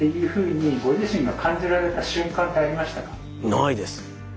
ないです。